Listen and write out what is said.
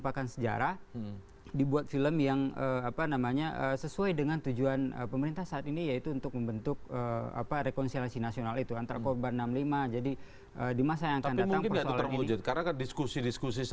bukan justru menciptakan situasi